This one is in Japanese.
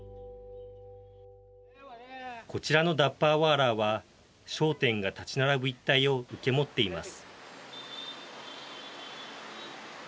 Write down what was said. こちらのダッバーワーラーは商店が建ち並ぶ一帯を受け持っています。